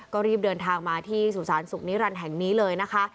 ก็รีบเดินทางมาที่สุสานสุขนิรันดิ์แห่งนี้เลยนะคะ